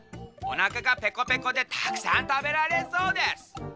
おなかがペコペコでたくさんたべられそうです。